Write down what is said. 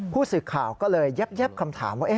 ผู้ศึกข่าวก็เลยเย็บคำถามว่า